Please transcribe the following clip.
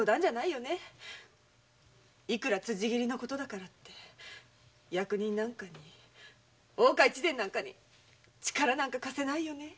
いくら辻斬りのことだからって役人なんかに大岡越前なんかに力なんか貸せないよね。